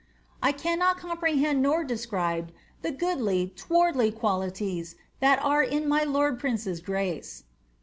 I cannot comprehend nor describe the goodly towardly qualities that are in my lord prince's grace."